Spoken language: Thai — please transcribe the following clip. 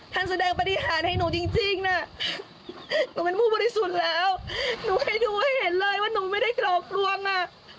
แสดงปฏิหารให้หนูจริงน่ะหนูเป็นผู้บริสุทธิ์แล้วหนูให้ดูให้เห็นเลยว่าหนูไม่ได้หลอกลวงอ่ะ